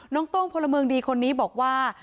โต้งพลเมืองดีคนนี้บอกว่า